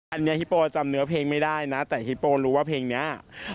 อันนี้ฮิโปจำเนื้อเพลงไม่ได้นะแต่ฮิโปรู้ว่าเพลงนี้